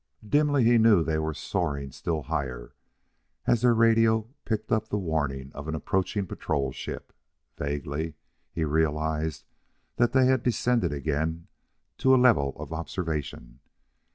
Dimly he knew they were soaring still higher as their radio picked up the warning of an approaching patrol ship; vaguely, he realized that they descended again to a level of observation.